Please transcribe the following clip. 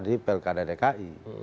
di plk dan dki